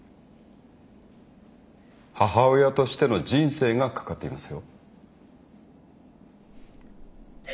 母親としての人生が懸かっていますよ。